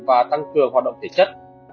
và tăng cường hoạt động thể chất